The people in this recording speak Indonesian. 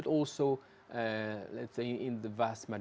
tetapi juga di sejumlah kebanyakan